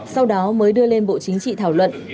sau đó mới đưa lên bộ chính trị thảo luận